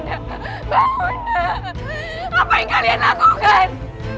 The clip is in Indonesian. apa yang kalian lakukan